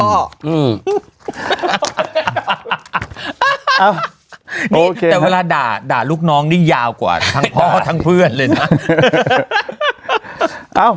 โอเคแต่เวลาด่าลูกน้องนี่ยาวกว่าทั้งพ่อทั้งเพื่อนเลยนะ